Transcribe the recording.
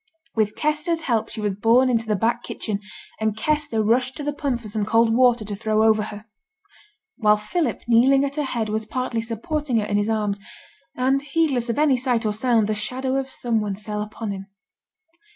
With Kester's help she was borne into the back kitchen, and Kester rushed to the pump for some cold water to throw over her. While Philip, kneeling at her head, was partly supporting her in his arms, and heedless of any sight or sound, the shadow of some one fell upon him.